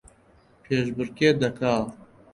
پێشبڕکێ دەکا